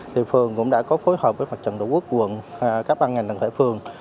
thì phường cũng đã có phối hợp với phật trận độ quốc quận các ban ngành đồng thể phường